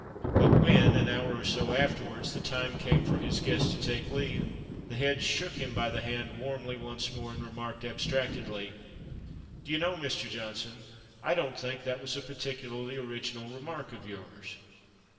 But when, an hour or so afterwards, the time came for his guest to take leave, the "Head" shook him by the hand warmly once more, and remarked abstractedly "D'you know, Mr. Johnson, I don't think that was a particularly original remark of yours?"